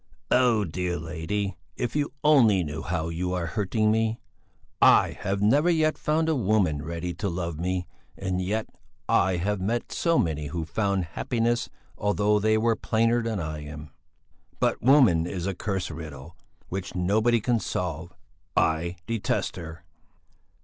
"Oh, dear lady, if you only knew how you are hurting me! I have never yet found a woman ready to love me, and yet I have met so many who found happiness although they were plainer than I am. But woman is a cursed riddle, which nobody can solve; I detest her."